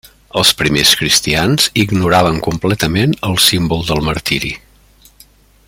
Els primers cristians ignoraven completament el símbol del martiri.